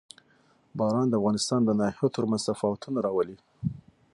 باران د افغانستان د ناحیو ترمنځ تفاوتونه راولي.